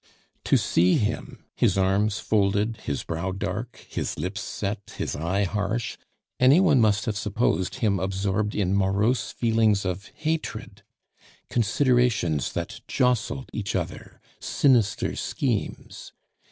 To see him, his arms folded, his brow dark, his lips set, his eye harsh, any one must have supposed him absorbed in morose feelings of hatred, considerations that jostled each other, sinister schemes.